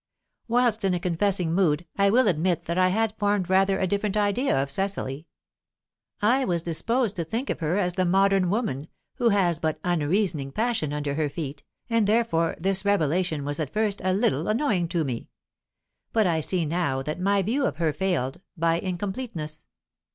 "Whilst in a confessing mood, I will admit that I had formed rather a different idea of Cecily; I was disposed to think of her as the modern woman who has put unreasoning passion under her feet, and therefore this revelation was at first a little annoying to me. But I see now that my view of her failed by incompleteness.